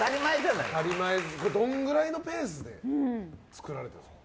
どのくらいのペースで作られているんですか？